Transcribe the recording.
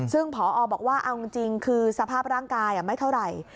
ซึ่งพอบอกว่าเอาจริงคือสภาพร่างกายไม่เท่าไหร่